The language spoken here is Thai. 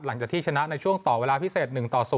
หลังจากที่ชนะในช่วงต่อเวลาพิเศษ๑ต่อ๐